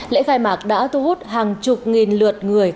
lễ khai mạc đã thu hút hàng chục nghìn lượt người